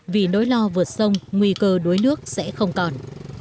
vì nỗi lo vượt sông nguy cơ đuối nước sẽ không còn